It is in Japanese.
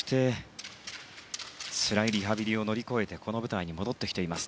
つらいリハビリを乗り越えてこの舞台に戻ってきています。